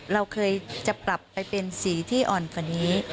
เราเคยจะปรับไปเป็นสีที่อ่อนกว่านี้